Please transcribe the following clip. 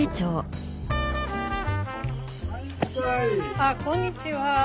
あこんにちは。